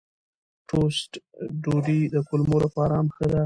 ټوسټ ډوډۍ د کولمو لپاره هم ښه ده.